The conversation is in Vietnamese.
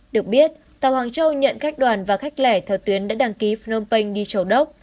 được biết tàu hoàng châu nhận khách đoàn và khách lẻ theo tuyến đã đăng ký phnom penh đi châu đốc